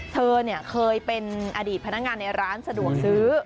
เธอเคยเป็นอดีตพนักงานในร้านสะดวกซื้อ